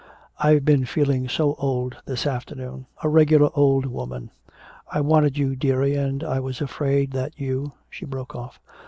I've been feeling so old this afternoon a regular old woman. I wanted you, dearie, and I was afraid that you " she broke off.